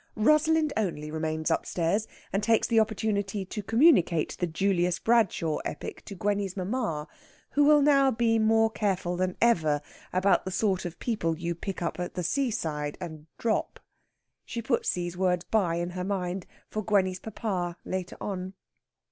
Rosalind only remains upstairs, and takes the opportunity to communicate the Julius Bradshaw epic to Gwenny's mamma, who will now be more careful than ever about the sort of people you pick up at the seaside and drop. She puts these words by in her mind, for Gwenny's papa, later on.